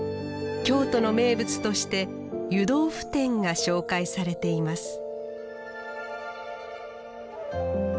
京都の名物として湯豆腐店が紹介されています